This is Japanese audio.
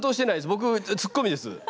僕ツッコミです。